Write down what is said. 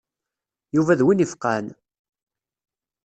Yuba d win ifeqqɛen.